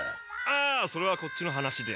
あそれはこっちの話で。